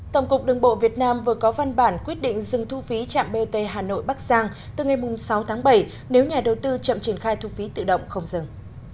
tổng cục đường bộ việt nam vừa có văn bản quyết định dừng thu phí trạm bot hà nội bắc giang từ ngày sáu tháng bảy nếu nhà đầu tư chậm triển khai thu phí tự động không dừng